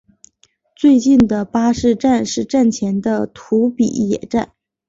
最近的巴士站是站前的土笔野站。